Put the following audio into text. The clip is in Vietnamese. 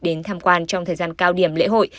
đến tham quan trong thời gian cao điểm lễ hội